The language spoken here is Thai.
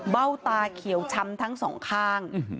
เบ้าตาเขียวช้ำทั้งสองข้าง